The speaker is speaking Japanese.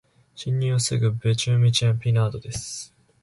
侵入を防ぐベウチェミン・ピナードです。